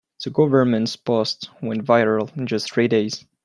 The government's post went viral in just three days.